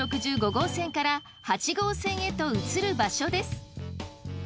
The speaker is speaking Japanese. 号線から８号線へと移る場所です。